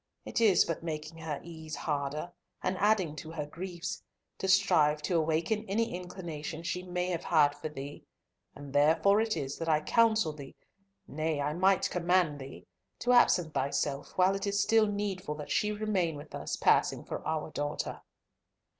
It is but making her ease harder, and adding to her griefs, to strive to awaken any inclination she may have had for thee; and therefore it is that I counsel thee, nay, I might command thee, to absent thyself while it is still needful that she remain with us, passing for our daughter."